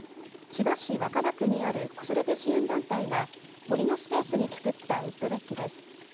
千葉市若葉区にある子育て支援団体が森のスペースに作ったウッドデッキです。